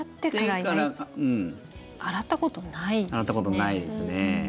洗ったことないですね。